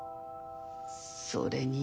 それに。